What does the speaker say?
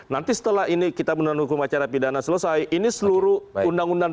nanti setelah ini kitab undang undang hukum acara pidana selesai ini seluruh undang undang